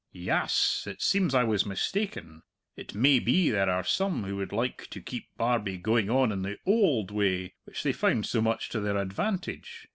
Yass, it seems I was mistaken. It may be there are some who would like to keep Barbie going on in the oald way which they found so much to their advantage.